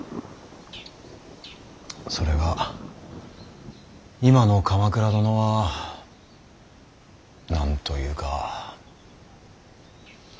それが今の鎌倉殿は何と言うか。